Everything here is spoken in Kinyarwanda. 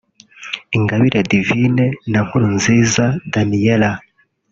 Ingabire Divine na Nkuruniza Daniella